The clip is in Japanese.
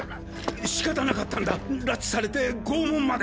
仕方なかったんだ拉致されて拷問まで。